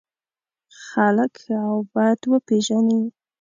خلک ښه او بد وپېژني.